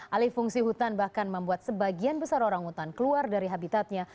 alih fungsi hutan bahkan membuat sebagian besar orang hutan keluar dari habitatnya